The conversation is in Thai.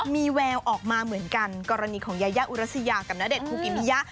มีแววออกมาเหมือนกันกรณีของยายาอุรัสยากับณเดชนคุกิมิยะ